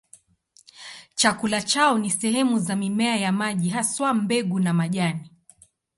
Chakula chao ni sehemu za mimea ya maji, haswa mbegu na majani.